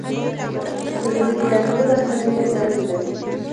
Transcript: د مځکې داخلي برخه ډېره ګرمه ده.